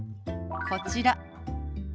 こちら。